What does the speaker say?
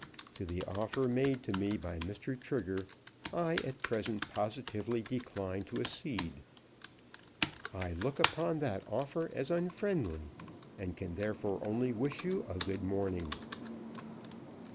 To the offer made to me by Mr. Trigger I at present positively decline to accede. I look upon that offer as unfriendly, and can therefore only wish you a good morning."